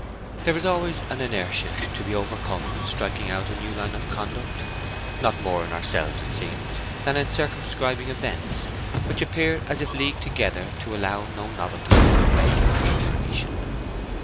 There is always an inertia to be overcome in striking out a new line of conduct—not more in ourselves, it seems, than in circumscribing events, which appear as if leagued together to allow no novelties in the way of amelioration.